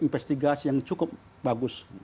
investigasi yang cukup bagus